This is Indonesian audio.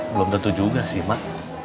belum tentu juga sih mak